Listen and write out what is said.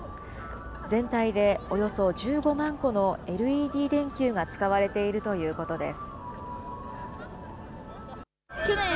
全体でおよそ１５万個のＬＥＤ電球が使われているということです。